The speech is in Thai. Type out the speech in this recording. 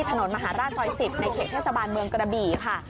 ถนนมหาราชซอย๑๐ในเขตเทศบาลเมืองกระบี่ค่ะ